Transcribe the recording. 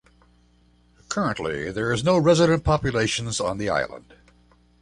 Currently there is no resident population on the islands.